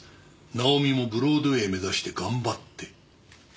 「ナオミもブロードウェイ目指して頑張って！」